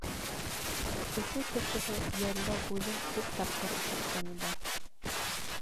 Өфө кешеһе «йәлләү» һүҙен күп тапҡыр ишеткәне бар.